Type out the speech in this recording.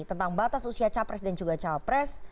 tentang batas usia capres dan juga cawapres